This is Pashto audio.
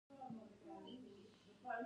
څو قدمه چې وړاندې ولاړ .